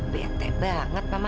bete banget mama